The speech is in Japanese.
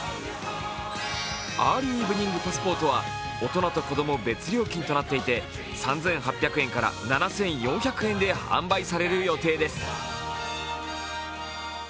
アーリーイブニングパスポートは大人と子供別料金となっていて３８００円から７４００円で販売される予定です。